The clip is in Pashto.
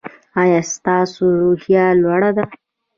ایا ستاسو روحیه لوړه ده؟